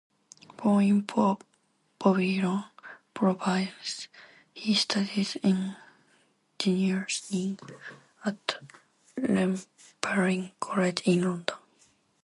Born in Babylon Province, he studied engineering at Imperial College in London.